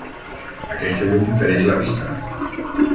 Aquesta llum fereix la vista.